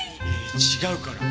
違うから。